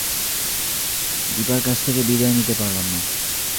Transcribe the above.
দিপার কাছ থেকে বিদায় নিতে পারলাম না।